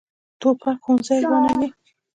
توپک ښوونځي ورانوي.